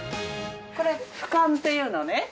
これ俯瞰っていうのね。